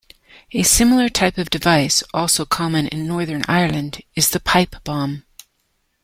A similar type of device, also common in Northern Ireland, is the pipe bomb.